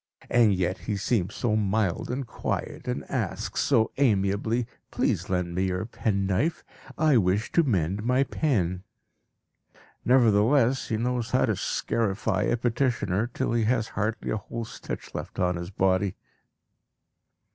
And yet he seems so mild and quiet, and asks so amiably, "Please lend me your penknife; I wish to mend my pen." Nevertheless, he knows how to scarify a petitioner till he has hardly a whole stitch left on his body.